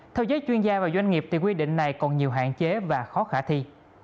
theo giới chuyên gia và doanh nghiệp thì quy định này còn nhiều hạn chế và khó khả thi